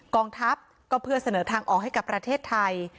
กองทัพก็เพื่อเสนอทางออกให้กับประเทศไทย